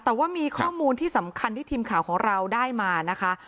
แต่ว่ามีข้อมูลที่สำคัญที่ทีมข่าวของเราได้มานะคะ